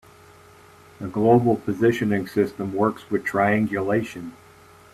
The global positioning system works with triangulation.